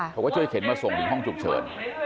เขาก็ช่วยเข็นมาส่งถึงห้องฉุกเฉิน